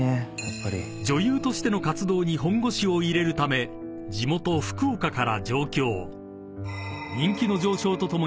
［女優としての活動に本腰を入れるため地元福岡から上京］